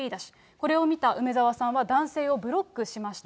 これを見た梅澤さんは男性をブロックしました。